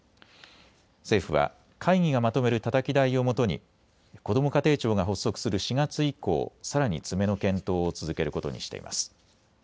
政府は会議がまとめるたたき台をもとに、こども家庭庁が発足する４月以降、さらに詰めの検討を続けることにしています。